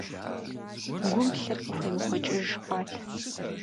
Гум лъыр къыхуемыхуэкӀыж хъуат.